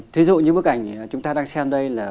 thí dụ như bức ảnh chúng ta đang xem đây là